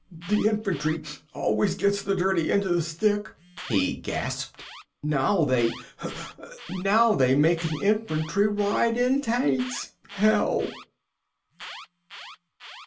"The infantry always gets the dirty end of the stick," he gasped. "Now they—now they' makin' infantry ride in tanks! Hell!"